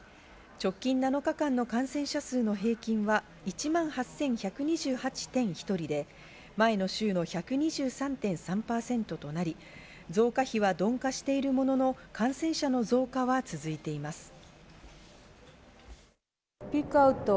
直近７日間の感染者数の平均は１万８１２８．１人で前の週の１２３．３％となり、増加比は鈍化しているものの、感染者の増加は続いています。